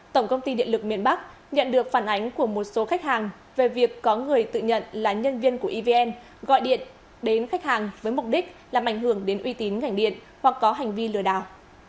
tổng công ty điện lực miền bắc nhận được phản ánh của một số khách hàng về việc có người tự nhận là nhân viên của evn gọi điện đến khách hàng với mục đích làm ảnh hưởng đến uy tín ngành điện hoặc có hành vi lừa đảo